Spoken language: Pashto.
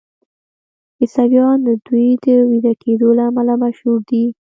عیسویان د دوی د ویده کیدو له امله مشهور دي.